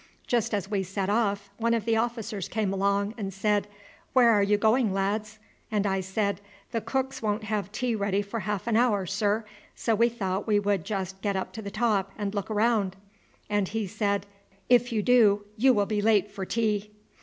Just as we set off one of the officers came along and said, 'Where are you going, lads?' and I said, 'The cooks won't have tea ready for half an hour, sir, so we thought we would just get up to the top and look round.' And he said, 'If you do you will be late for tea.'